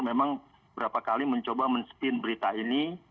memang beberapa kali mencoba men spin berita ini